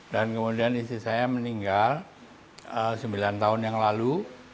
dan kemudian istri saya meninggal sembilan tahun yang lalu